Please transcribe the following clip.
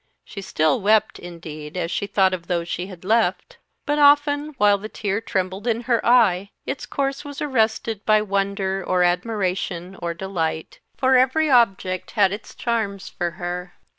She still wept, indeed, as she thought of those she had left; but often, while the tear trembled in her eye, its course was arrested by wonder, or admiration, or delight; for every object had its charms for her.